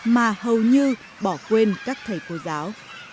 mà hầu như bỏ quên các thầy cô giáo